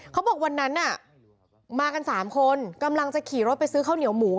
เขาบอกวันนั้นมากัน๓คนกำลังจะขี่รถไปซื้อข้าวเหนียวหมู